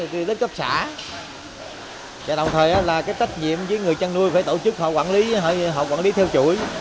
từ lớp cấp xã đồng thời là tách nhiệm với người chăn nuôi phải tổ chức họ quản lý theo chuỗi